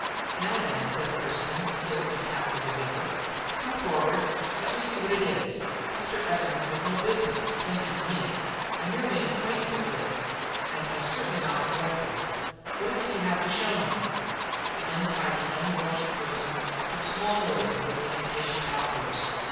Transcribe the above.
"Now, then," said Thurston, still impassive as ever, "come forward, and let me see what it is! Mr. Evanson has no business to send you to me. I'm merely an acquaintance of his, and I'm certainly not a collector. What is it you have to show me?" The untidy and unwashed person took small notice of this impatient outburst.